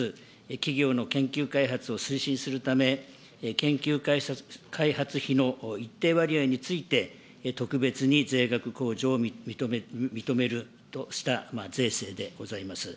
企業の研究開発を推進するため、研究開発費の一定割合について、特別に税額控除を認めるとした税制でございます。